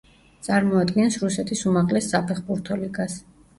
წარმოადგენს რუსეთის უმაღლეს საფეხბურთო ლიგას.